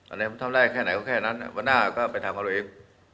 อันนี้ผมทำได้แค่ไหนก็แค่นั้นอ่ะวันหน้าก็ไปทำกับตัวเอง